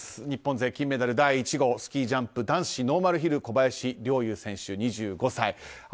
日本勢金メダル第１号スキージャンプ男子ノーマルヒル小林陵侑選手、２５歳。